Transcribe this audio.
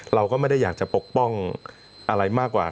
เราก็ไม่ได้อยากจะปกป้องอะไรมากกว่า